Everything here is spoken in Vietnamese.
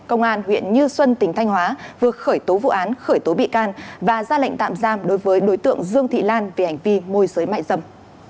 công an huyện như xuân tỉnh thanh hóa vừa khởi tố vụ án khởi tố bị can và ra lệnh tạm giam đối với đối tượng dương thị lan về hành vi môi giới mại dâm